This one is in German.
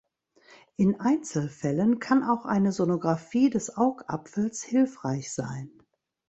In Einzelfällen kann auch eine Sonographie des Augapfels hilfreich sein.